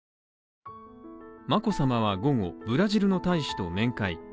眞子さまは午後、ブラジルの大使と面会。